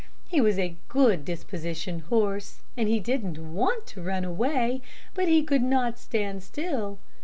He was a good dispositioned horse, and he didn't want to run away, but he could not stand still.